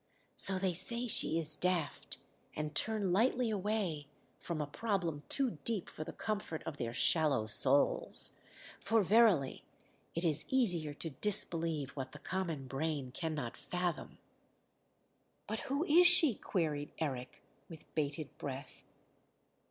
"So they say she is daft and turn lightly away from a problem too deep for the comfort of their shallow souls: for verily it is easier to disbelieve what the common brain cannot fathom." "But who is she?" queried Eric, with bated breath.